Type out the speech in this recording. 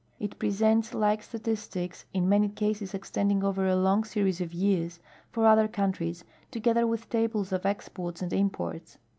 It presents like statistics (in many cases extending over a long Series of years) for other countries, together with tables of exports and imports.